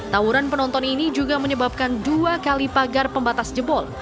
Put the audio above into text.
tawuran penonton ini juga menyebabkan dua kali pagar pembatas jebol